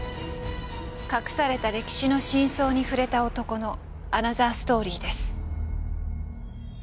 隠された歴史の真相に触れた男のアナザーストーリーです。